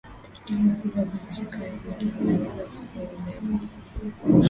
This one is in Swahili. vyakula vyenye sukari nyingi vinaweza kudhuru neva